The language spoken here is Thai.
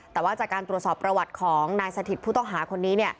แต่ว่าจากการตรวจสอบประวัติของนายสถิตผู้ต้องหาคนนี้